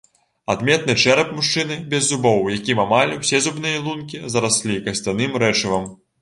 Адметны чэрап мужчыны без зубоў, у якім амаль усе зубныя лункі зараслі касцяным рэчывам.